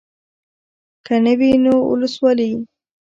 که نه وي نو اولسوالي.